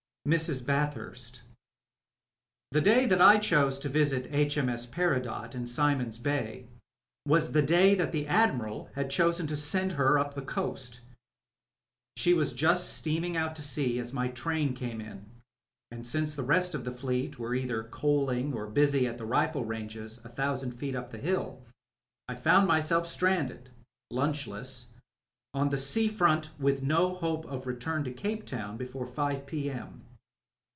aia MRS. BATHURST* THE day that I chose to visit H.M.S. Peridot in Simon's Bay was the day that the Admiral had chosen to send her up the coast. She was just steaming out to sea as my train came in, and since the rest of the Fleet were either coaling or busy at the rifle ranges a thousand feet up the hill, I found myself stranded, lunchless, on the sea front with no hope of return to Cape Town before five p. m.